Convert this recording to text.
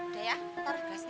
udah ya taruh ke rumah ya